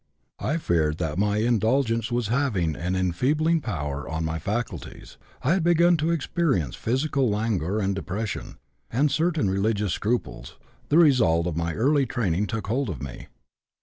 I feared that my indulgence was having an enfeebling power on my faculties (I had begun to experience physical languor and depression), and certain religious scruples, the result of my early training, took hold of me.